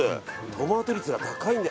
トマト率が高い。